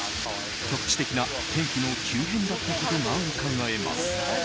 局地的な天気の急変だったことがうかがえます。